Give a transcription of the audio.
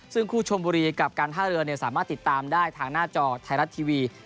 ซึ่งคู่ชมบุรีกับการท่าเรือสามารถติดตามได้ทางหน้าจอไทยรัฐทีวี